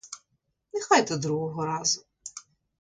Нехай до другого разу.